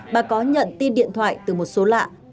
bà có nhận tin điện thoại từ một số lạ